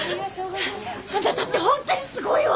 あなたってほんとにすごいわ！